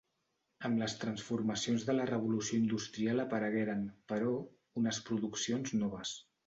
Amb les transformacions de la revolució industrial aparegueren, però, unes produccions noves.